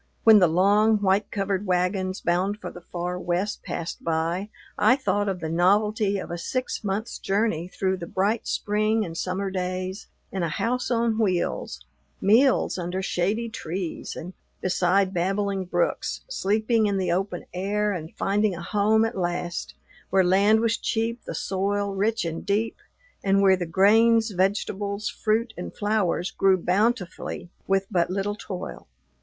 When the long, white covered wagons, bound for the far West, passed by, I thought of the novelty of a six months' journey through the bright spring and summer days in a house on wheels, meals under shady trees and beside babbling brooks, sleeping in the open air, and finding a home, at last, where land was cheap, the soil rich and deep, and where the grains, vegetables, fruit, and flowers grew bountifully with but little toil.